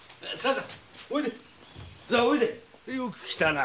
よく来たな。